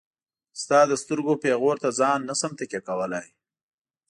ستا د سترګو پيغور ته ځان نشم تکيه کولاي.